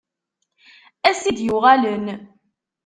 Ass i d-yuɣalen.